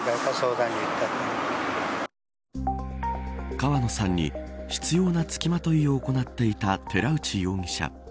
川野さんに執拗なつきまといを行っていたという寺内容疑者。